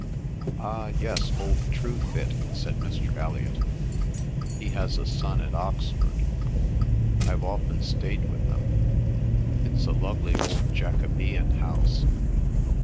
"Ah yes, old Truefit," said Mr. Elliot. "He has a son at Oxford. I've often stayed with them. It's a lovely old Jacobean house.